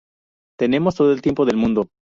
Tenemos todo el tiempo del mundo.